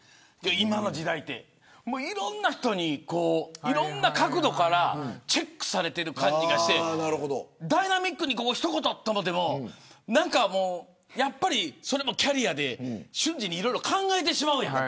今の時代っていろんな人にいろんな角度からチェックされている感じがしてダイナミックに一言と思ってもそれもキャリアで、瞬時にいろいろ考えてしまうやん。